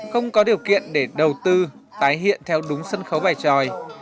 không có điều kiện để đầu tư tái hiện theo đúng sân khấu bài tròi